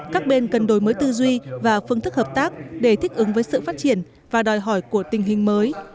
các bên cần đổi mới tư duy và phương thức hợp tác để thích ứng với sự phát triển và đòi hỏi của tình hình mới